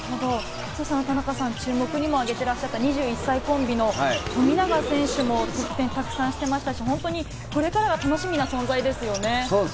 田中さん、注目にも挙げていらっしゃった２１歳コンビの富永選手も得点たくさんしていましたし、これからが楽しみな存在ですね。